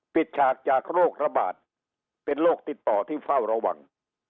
ฉากจากโรคระบาดเป็นโรคติดต่อที่เฝ้าระวัง